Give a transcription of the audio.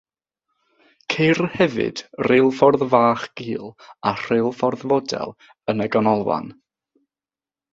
Ceir hefyd reilffordd fach gul a rheilffordd fodel yn y Ganolfan.